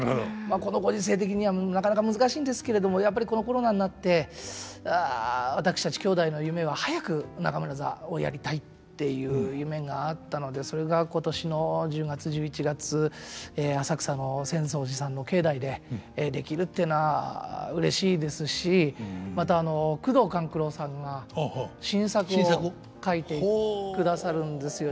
このご時世的にはなかなか難しいんですけれどもやっぱりこのコロナになって私たち兄弟の夢は「早く中村座をやりたい」っていう夢があったのでそれが今年の１０月１１月浅草の浅草寺さんの境内でできるっていうのはうれしいですしまた宮藤官九郎さんが新作を書いてくださるんですよ。